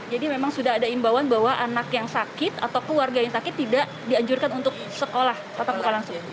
jadi memang sudah ada imbauan bahwa anak yang sakit atau keluarga yang sakit tidak dianjurkan untuk sekolah atau bukan langsung